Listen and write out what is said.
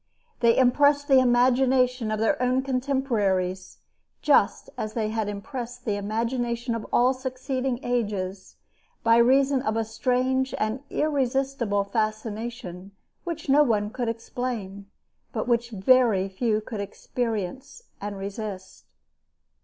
They impressed the imagination of their own contemporaries just as they had impressed the imagination of all succeeding ages, by reason of a strange and irresistible fascination which no one could explain, but which very few could experience and resist.